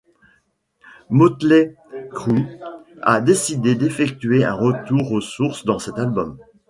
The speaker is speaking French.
Mötley Crüe a décidé d'effectuer un retour aux sources dans cet album.